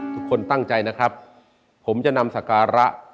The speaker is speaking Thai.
ทุกคนตั้งใจนะครับผมจะนำสการะ